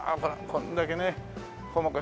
これだけね細かい。